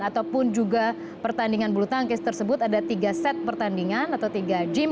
ataupun juga pertandingan bulu tangkis tersebut ada tiga set pertandingan atau tiga gym